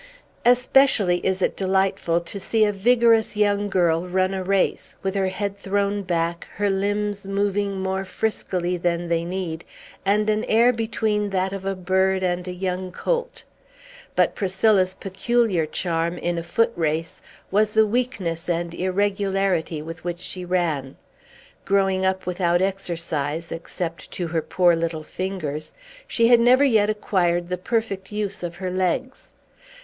Especially is it delightful to see a vigorous young girl run a race, with her head thrown back, her limbs moving more friskily than they need, and an air between that of a bird and a young colt. But Priscilla's peculiar charm, in a foot race, was the weakness and irregularity with which she ran. Growing up without exercise, except to her poor little fingers, she had never yet acquired the perfect use of her legs.